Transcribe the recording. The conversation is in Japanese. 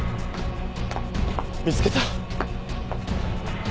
見つけた！